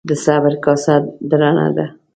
د صبر کاسه درنه ده.